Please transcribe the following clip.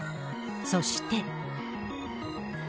そして。